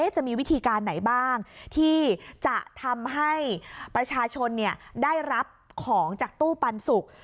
จะมีวิธีการไหนบ้างที่จะทำให้ประชาชนได้รับของจากตู้ปันสุก